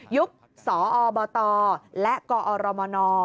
ยุคอบตและกอรมน